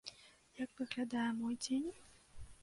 Як выглядае мой дзень?